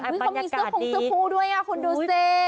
มีเสื้อขงสุโพลด้วยนะคุณโดสเตย์